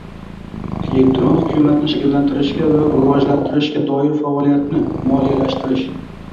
Elektron hukumatni shakllantirishga va rivojlantirishga doir faoliyatni moliyalashtirish